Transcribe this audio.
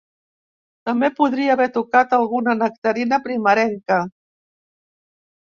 També podria haver tocat alguna nectarina primerenca.